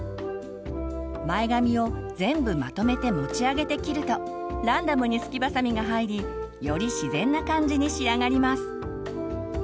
前髪を全部まとめて持ち上げて切るとランダムにスキバサミが入りより自然な感じに仕上がります。